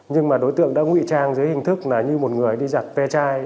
nhưng mà đối tượng đã ngụy trang dưới hình thức như một người đi giặt pê chai